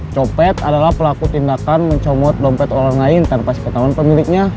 copet adalah pelaku tindakan mencomot dompet orang lain tanpa seketahuan pemiliknya